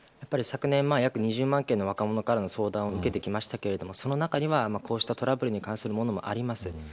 昨年、約２０万件の若者からの相談を受けてきましたがその中にはこうしたトラブルに関するものもあります。